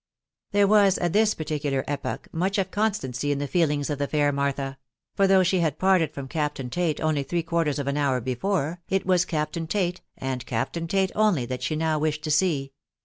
There was at this particular epoch much of constancy in the feelings of the fair Martha ; for though she had parted from Captain Tate only three quarters of an hour before, it was Captain Tate,' and Captain Tate only, that she now wished to see.